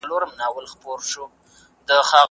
په درسي کتابونو کي د سیمه ییزو کلتورونو یادونه نه وه.